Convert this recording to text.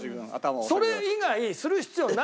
それ以外する必要ないんですよ